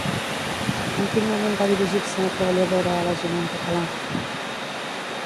En quin moment va dirigir-se la treballadora a l'agent en català?